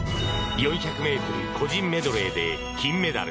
４００ｍ個人メドレーで金メダル。